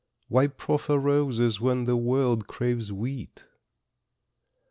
Why proffer roses when the world craves wheat?